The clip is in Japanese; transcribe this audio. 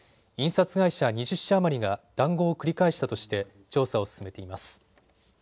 印刷会社２０社余りが談合を繰り返したとして調査を進めています。